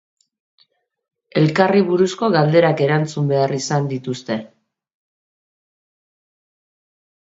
Elkarri buruzko galderak erantzun behar izan dituzte.